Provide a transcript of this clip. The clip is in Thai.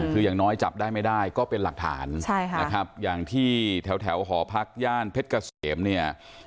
คืออย่างน้อยจับได้ไม่ได้ก็เป็นหลักฐานใช่ค่ะนะครับอย่างที่แถวหอพักย่านเพชรเกษมเนี่ย